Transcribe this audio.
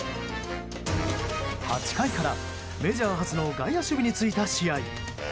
８回からメジャー初の外野守備に就いた試合。